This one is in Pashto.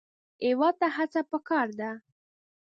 هېواد ته هڅه پکار ده